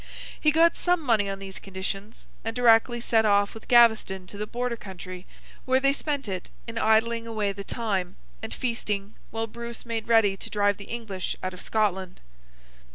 He got some money on these conditions, and directly set off with Gaveston to the Border country, where they spent it in idling away the time, and feasting, while Bruce made ready to drive the English out of Scotland.